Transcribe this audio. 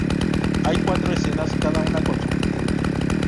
Hay cuatro escenas, cada una con su objetivo.